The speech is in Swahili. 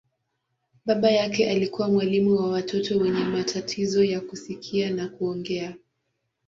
Baba yake alikuwa mwalimu wa watoto wenye matatizo ya kusikia na kuongea.